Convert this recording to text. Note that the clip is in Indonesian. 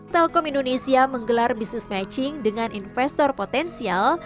telkom indonesia menggelar business matching dengan investor potensial